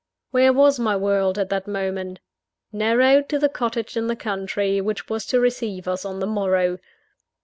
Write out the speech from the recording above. Where was my world, at that moment? Narrowed to the cottage in the country which was to receive us on the morrow.